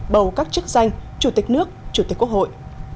bầu các chức danh chủ tịch nước chủ tịch quốc hội